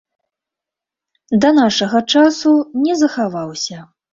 Да нашага часу не захаваўся.